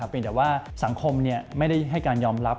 เป็นแต่ว่าสังคมไม่ได้ให้การยอมรับ